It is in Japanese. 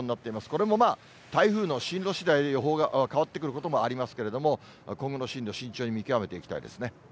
これもまあ、台風の進路しだいで予報が変わってくることもありますけれども、今後の進路、慎重に見極めていきたいですね。